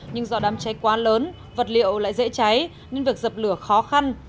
nhưng do đám cháy quá lớn vật liệu lại dễ cháy nên việc dập lửa khó khăn